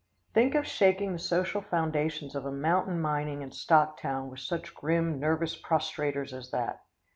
Think of shaking the social foundations of a mountain mining and stock town with such grim, nervous prostrators as that!